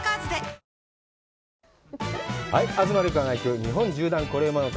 日本縦断コレうまの旅」。